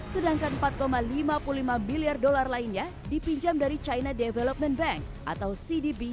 sedangkan empat lima puluh lima miliar dolar lainnya dipinjam dari china development bank atau cdb